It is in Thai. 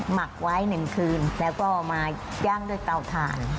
หมักไว้๑คืนแล้วก็มาย่างด้วยเตาถ่าน